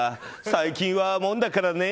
最近はもんだからね。